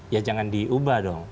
ya jangan diubah dong